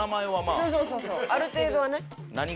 ある程度はね。